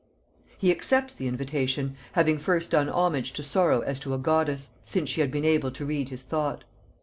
He accepts the invitation, having first done homage to Sorrow as to a goddess, since she had been able to read his thought.